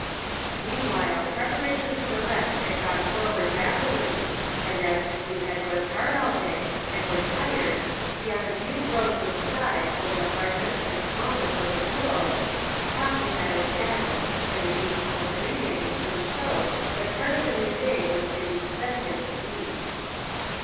Meanwhile preparations for rest had gone forward rapidly, and, as the two had worked hard all day, and were tired, beyond a few groans and sighs over the hardness and smallness of the pil lows, talk was at an end, and the deep toned breathing Boon showed that part of the new day was to be spent in sleep.